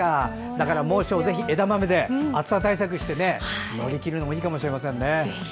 だから、猛暑をぜひ枝豆で暑さ対策して乗り切るのもいいかもしれませんね。